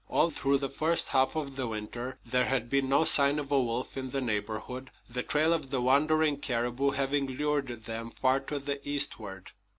All through the first half of the winter there had been no sign of a wolf in the neighborhood, the trail of the wandering caribou having lured them far to the eastward.